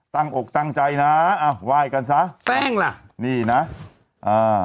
ตั้งอกตั้งใจน่ะอ่ะไว้กันซะแป้งล่ะนี่น่ะอ่า